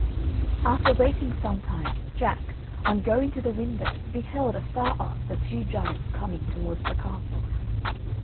After waiting some time Jack, on going to the window beheld afar off the two giants coming towards the castle.